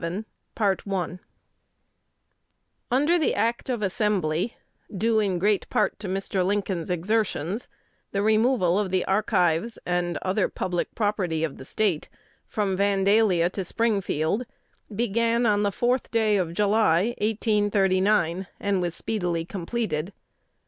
CHAPTER XI UNDER the Act of Assembly, due in great part to Mr. Lincoln's exertions, the removal of the archives and other public property of the State from Vandalia to Springfield began on the fourth day of July, 1839, and was speedily completed.